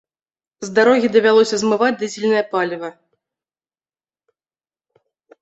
З дарогі давялося змываць дызельнае паліва.